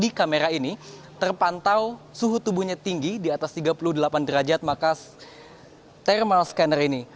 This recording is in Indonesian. di kamera ini terpantau suhu tubuhnya tinggi di atas tiga puluh delapan derajat maka thermal scanner ini